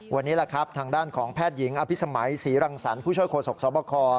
วันนี้ทางด้านของแพทย์หญิงอภิสมัยศรีรังสรรค์ผู้ช่วยโครสกสวบค